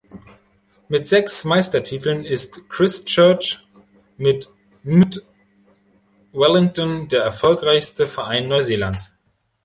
Mit sechs Meistertiteln ist Christchurch mit Mt Wellington der erfolgreichste Verein Neuseelands.